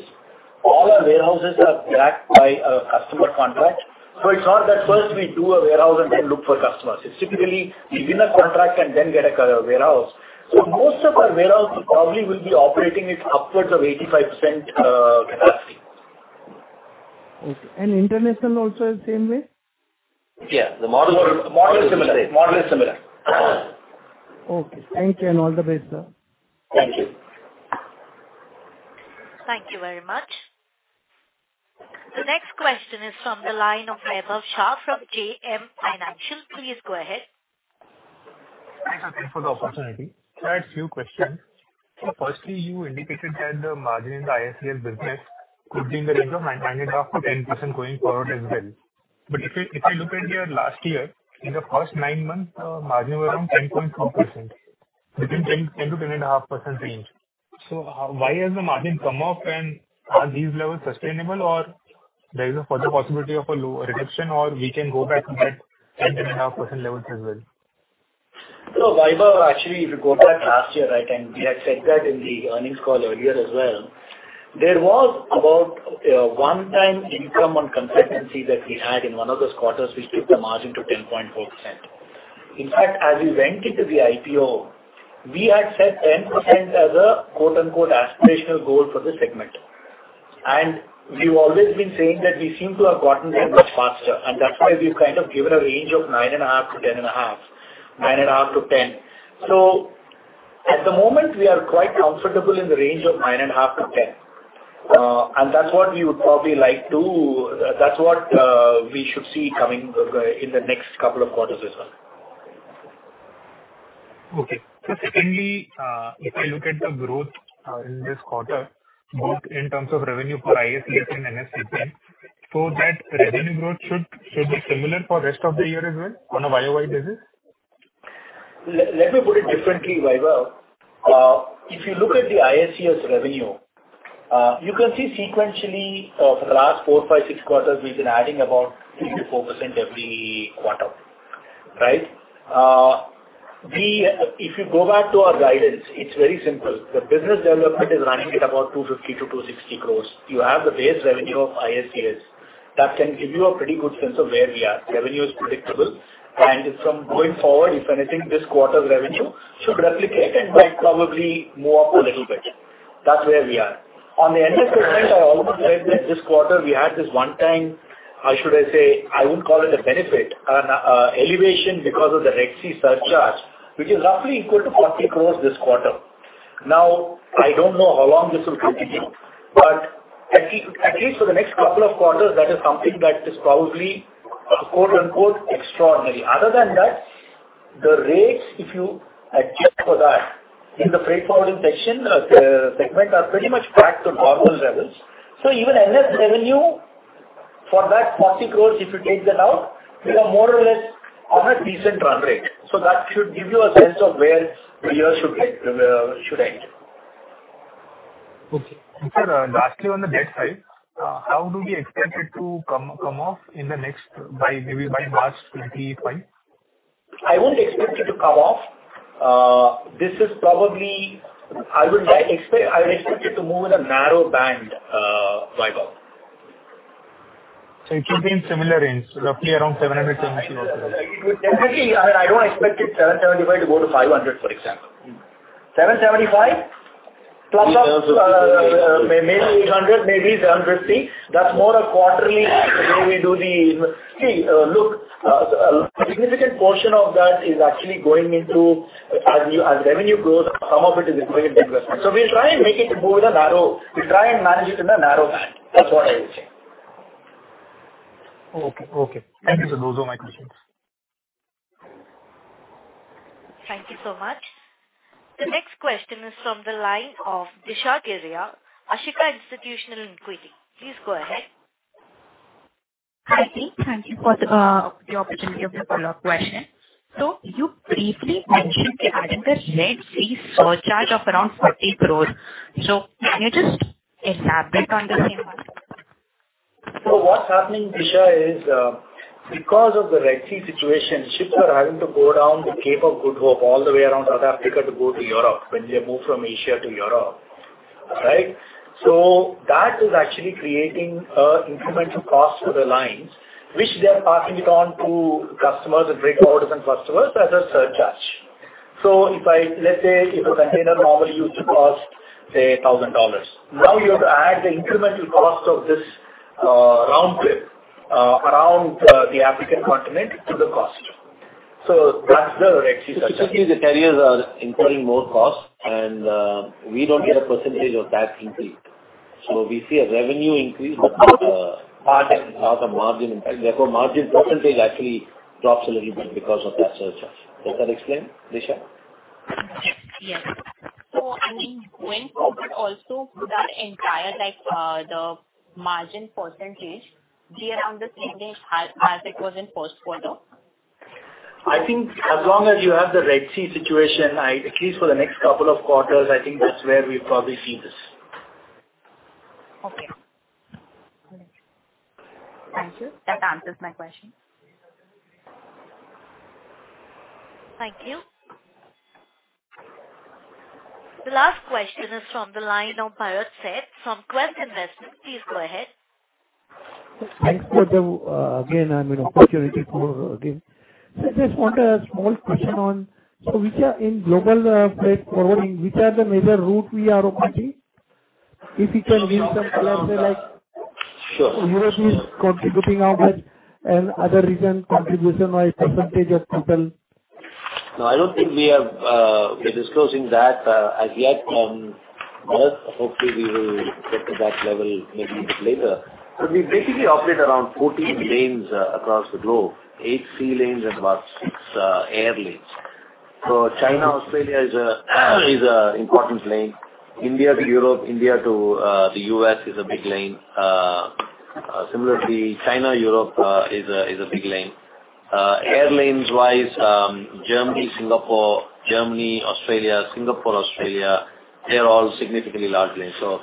All our warehouses are backed by a customer contract. So it's not that first we do a warehouse and then look for customers. It's typically we win a contract and then get a warehouse. So most of our warehouse probably will be operating at upwards of 85% capacity. Okay. And international also is the same way? Yeah. The model is similar. Model is similar. Okay. Thank you. And all the best, sir. Thank you. Thank you very much. The next question is from the line of Vaibhav Shah from JM Financial. Please go ahead. Thanks, Ajay, for the opportunity. I had a few questions. Firstly, you indicated that the margin in the ISCS business could be in the range of 9.5%-10% going forward as well. But if you look at your last year, in the first nine months, the margin was around 10.2%, within 10%-10.5% range. So why has the margin come up? And are these levels sustainable, or there is a further possibility of a reduction, or we can go back to that 10.5% levels as well? So Vaibhav, actually, if you go back last year, right, and we had said that in the earnings call earlier as well, there was about one-time income on consultancy that we had in one of those quarters which took the margin to 10.4%. In fact, as we went into the IPO, we had set 10% as a "aspirational goal" for the segment. And we've always been saying that we seem to have gotten there much faster. And that's why we've kind of given a range of 9.5%-10.5%, 9.5%-10%. So at the moment, we are quite comfortable in the range of 9.5%-10%. And that's what we should see coming in the next couple of quarters as well. Okay. So secondly, if you look at the growth in this quarter, both in terms of revenue for ISCS and NS, so that revenue growth should be similar for the rest of the year as well on a YOY basis? Let me put it differently, Vaibhav. If you look at the ISCS's revenue, you can see sequentially for the last four, five, six quarters, we've been adding about 3%-4% every quarter, right? If you go back to our guidance, it's very simple. The business development is running at about 250 crores-260 crores. You have the base revenue of ISCS's. That can give you a pretty good sense of where we are. Revenue is predictable. And from going forward, if anything, this quarter's revenue should replicate and might probably move up a little bit. That's where we are. On the NS, I always said that this quarter we had this one-time, how should I say, I wouldn't call it a benefit, an elevation because of the Red Sea surcharge, which is roughly equal to 40 crores this quarter. Now, I don't know how long this will continue, but at least for the next couple of quarters, that is something that is probably "extraordinary." Other than that, the rates, if you adjust for that, in the freight forwarding section, the segment are pretty much back to normal levels. So even NS revenue for that 40 crores, if you take that out, we are more or less on a decent run rate. So that should give you a sense of where the year should end. Okay. And sir, lastly, on the debt side, how do we expect it to come off in the next by March 25? I wouldn't expect it to come off. This is probably I would expect it to move in a narrow band, Vaibhav. It should be in similar range, roughly around 770 or so? It would definitely—I mean, I don't expect it 775 to go to 500, for example. 775+ up maybe 800, maybe 750. That's more a quarterly way we do the see, look, a significant portion of that is actually going into as revenue grows, some of it is going into investment. So we'll try and make it move in a narrow—we'll try and make it move in a narrow band. That's what I would say. Okay. Okay. Thank you, sir. Those are my questions. Thank you so much. The next question is from the line of Disha Firodia, Ashika Institutional Equities. Please go ahead. Hi, Team. Thank you for the opportunity of the follow-up question. You briefly mentioned you added the Red Sea surcharge of around 40 crore. Can you just elaborate on the same? What's happening, Disha, is because of the Red Sea situation, ships are having to go down the Cape of Good Hope all the way around South Africa to go to Europe when they move from Asia to Europe, right? That is actually creating incremental costs for the lines, which they're passing it on to customers and freight forwarders and customers as a surcharge. Let's say if a container normally used to cost, say, $1,000. Now you have to add the incremental cost of this round trip around the African continent to the cost. That's the Red Sea surcharge. Basically, the carriers are incurring more costs, and we don't get a % of that increase. So we see a revenue increase, but not a margin impact. Therefore, margin % actually drops a little bit because of that surcharge. Does that explain, Disha? Yes. So I mean, going forward also, would that entire margin % be around the same range as it was in the first quarter? I think as long as you have the Red Sea situation, at least for the next couple of quarters, I think that's where we'll probably see this. Okay. Thank you. That answers my question. Thank you. The last question is from the line of Bharat Sheth from Quest Investment. Please go ahead. Thanks for the opportunity again. I mean, so I just want a small question on global freight forwarding, which are the major routes we are operating? If we can give some color, say, like Europe is contributing how much and other region contribution by % of total? No, I don't think we are disclosing that as yet. But hopefully, we will get to that level maybe a bit later. So we basically operate around 14 lanes across the globe, 8 sea lanes and about 6 air lanes. So China, Australia is an important lane. India to Europe, India to the U.S. is a big lane. Similarly, China-Europe is a big lane. Air lanes-wise, Germany, Singapore, Germany, Australia, Singapore, Australia, they're all significantly large lanes. So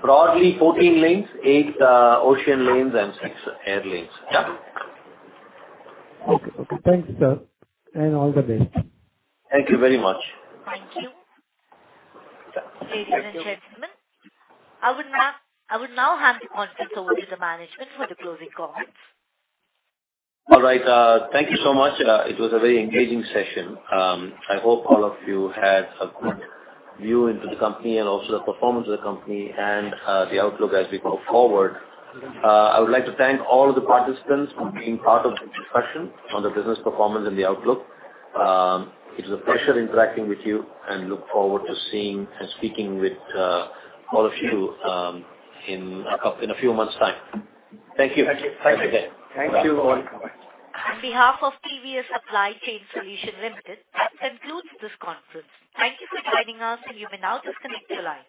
broadly, 14 lanes, 8 ocean lanes, and 6 air lanes. Yeah. Okay. Okay. Thanks, sir. And all the best. Thank you very much. Thank you. Ladies and gentlemen, I would now hand the conference over to the management for the closing comments. All right. Thank you so much. It was a very engaging session. I hope all of you had a good view into the company and also the performance of the company and the outlook as we go forward. I would like to thank all of the participants for being part of the discussion on the business performance and the outlook. It was a pleasure interacting with you, and look forward to seeing and speaking with all of you in a few months' time. Thank you. Thank you. Thanks again. Thank you. Thank you all. Bye-bye. On behalf of TVS Supply Chain Solutions Limited, that concludes this conference. Thank you for joining us, and you may now disconnect your lines.